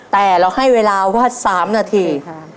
แต่เราให้เวลาว่า๓นาที